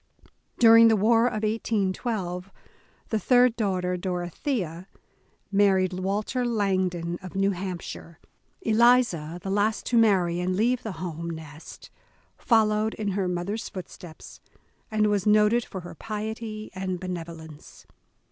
During the war of 1812, the third daughter, Dor othea, married Walter Langdon of New Hampshire. 250 The Astor Family Eliza, the last to marry and leave the home nest, fol lowed in her mother's footsteps, and was noted for her piety and benevolence.